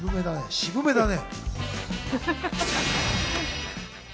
渋めだね。